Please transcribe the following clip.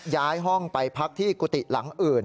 ย้ายห้องไปพักที่กุฏิหลังอื่น